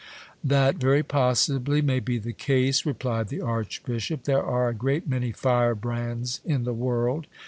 That very possibly may be the case, replied the archbishop ; there are a great many firebrands in the world.